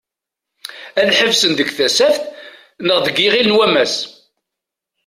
Ad ḥebsen deg Tasaft neɣ deg Iɣil n wammas?